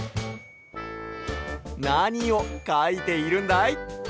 なにをかいているんだい？